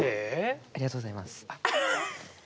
ありがとうございます。